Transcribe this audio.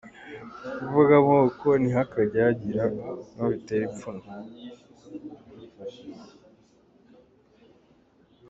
Kuvuga amoko ntihakajye hagira uwo bitera ipfunwe.